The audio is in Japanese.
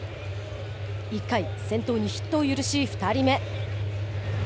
１回、先頭にヒットを許し２人目。